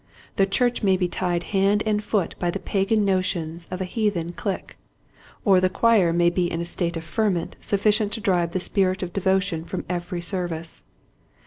The church may be tied hand and foot by the pagan notions of a heathen clique, or the choir may be in a state of ferment sufficient to drive the spirit of devotion from every service.